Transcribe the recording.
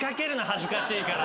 恥ずかしいから。